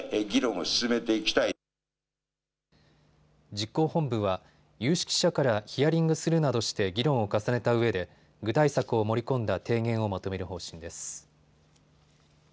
実行本部は有識者からヒアリングするなどして議論を重ねたうえで具体策を盛り込んだ提言をまとめる方針です。